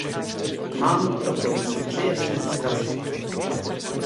Mám pro Komisi tři jasné vzkazy.